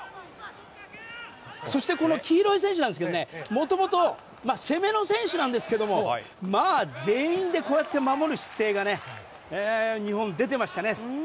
そして、黄色い選手なんですがもともと攻めの選手なんですけど全員で守る姿勢が日本、出てましたね。